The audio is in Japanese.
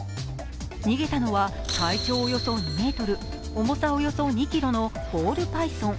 逃げたのは体長およそ２ｍ、重さおよそ２ｋｇのボールパイソン。